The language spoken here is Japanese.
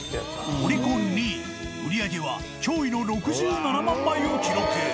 オリコン２位売り上げは驚異の６７万枚を記録。